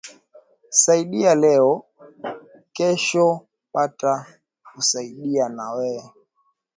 Saidia leo kesho bata kusaidia na weye